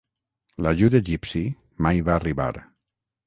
L'ajut egipci mai va arribar.